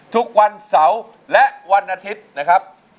ทุกวันเสาร์และวันอาทิตย์นะครับ